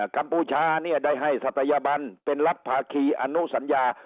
กัมพูชาเนี่ยได้ให้ศัตยบันเป็นรัฐภาคีอนุสัญญา